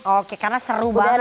oke karena seru banget